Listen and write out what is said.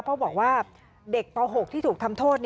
เพราะบอกว่าเด็กป๖ที่ถูกทำโทษ